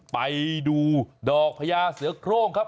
ไปดูดอกพญาเสือโครงครับ